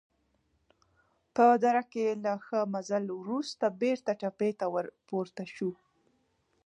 په دره کې له ښه مزل وروسته بېرته تپې ته ورپورته شوو.